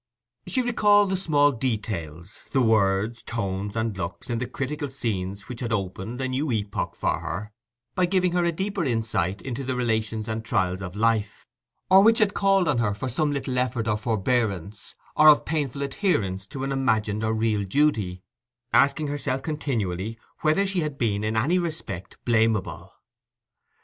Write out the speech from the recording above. She recalled the small details, the words, tones, and looks, in the critical scenes which had opened a new epoch for her by giving her a deeper insight into the relations and trials of life, or which had called on her for some little effort of forbearance, or of painful adherence to an imagined or real duty—asking herself continually whether she had been in any respect blamable.